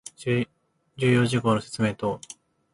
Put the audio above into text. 重要事項の説明等